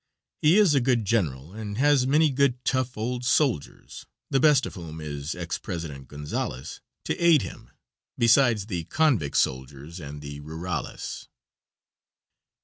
He is a good general, and has many good, tough old soldiers, the best of whom is ex President Gonzales, to aid him, besides the convict soldiers and the rurales.